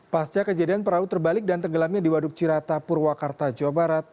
pasca kejadian perahu terbalik dan tenggelamnya di waduk cirata purwakarta jawa barat